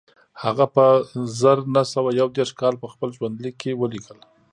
هغه په زر نه سوه یو دېرش کال په خپل ژوندلیک کې ولیکل